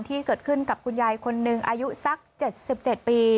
ที่เกิดขึ้นกับคุณยายคนหนึ่งอายุสัก๗๗ปี